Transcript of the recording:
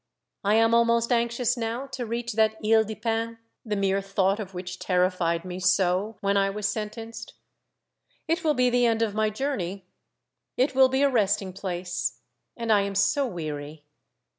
I am almost anxious now to reach that lie des Pins, the mere thought of which terrified me so when I was sentenced. It will be the end of my journey, it will be. a resting place. And I am so weary.